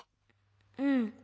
うん。